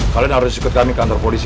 kalian harus ikut kami kantor polisi